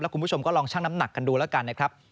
คุณผู้ชมก็ลองชั่งน้ำหนักกันดูแล้วกันนะครับ